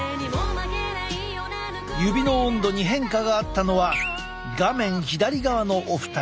指の温度に変化があったのは画面左側のお二人。